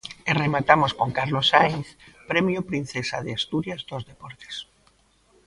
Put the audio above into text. E rematamos con Carlos Sainz, premio Princesa de Asturias dos deportes.